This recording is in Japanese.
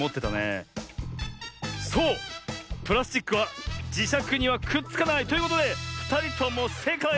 そうプラスチックはじしゃくにはくっつかない。ということでふたりともせいかい！